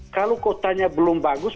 kalau kotanya belum bagus